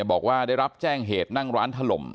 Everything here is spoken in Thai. บอกว่าได้รับแจ้งเหตุนั่งร้านถล่ม